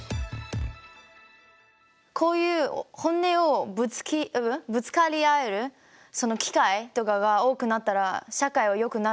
こういう本音をぶつかり合えるその機会とかが多くなったら社会はよくなる気がする。